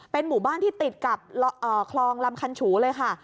หมู่บ้านที่ติดกับคลองลำคันฉูเลยค่ะ